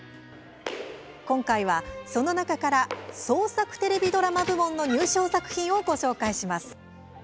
今回は、その中から創作テレビドラマ部門の入賞作品をご紹介します。